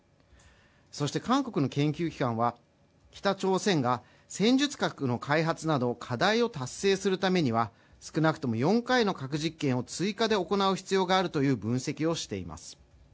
そして韓国の研究機関は北朝鮮が戦術核の開発など、課題を達成するためには、少なくとも４回の核実験を追加で行う必要があるという分析をしています。